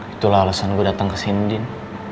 itulah alasan gue dateng kesini din